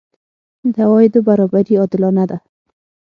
د عوایدو برابري عادلانه ده؟